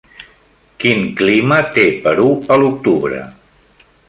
Quin clima té Perú a l'octubre